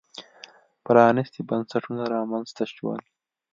پرانېستي بنسټونه رامنځته شول.